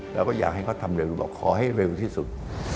แล้วก็อยากให้เขาทำเร็วบอกขอให้เร็วที่สุด